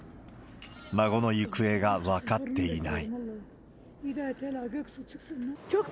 孫の行方が分かっていない。